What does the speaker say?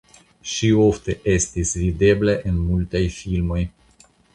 Ŝi ofte estis videbla en mutaj filmoj.